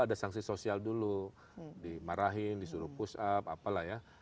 ada sanksi sosial dulu dimarahin disuruh push up apalah ya